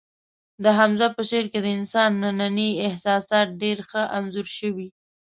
د حمزه په شعر کې د انسان ننني احساسات ډېر ښه انځور شوي